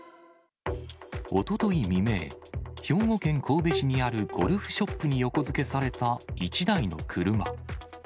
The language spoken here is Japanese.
おととい未明、兵庫県神戸市にあるゴルフショップに横付けされた１台の車。